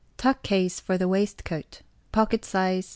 TUCK CASE FOR THE WAISTCOAT. Pocket size.